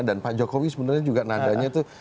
dan pak jokowi sebenarnya juga nadanya tuh